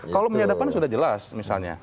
kalau menyadapkan sudah jelas misalnya